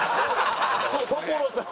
所さん。